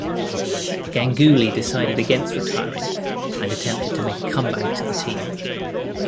Ganguly decided against retiring and attempted to make a comeback to the team.